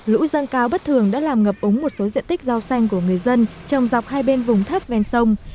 lũ dâng cao bất thường đã làm ngập ống một số diện tích rau xanh của người dân trồng dọc hai bên vùng thấp ven sông